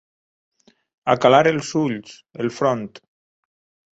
Acalar els ulls, el front.